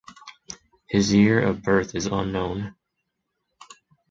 His year of birth is unknown.